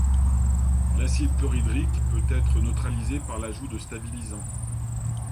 L'acide chlorhydrique peut être neutralisé par ajout de stabilisants.